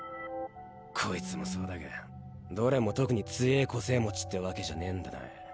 こいつもそだがどれも特に強ェ個性持ちってわけじゃねンだな。